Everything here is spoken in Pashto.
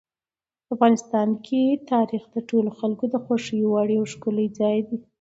افغانستان کې تاریخ د ټولو خلکو د خوښې وړ یو ښکلی ځای دی.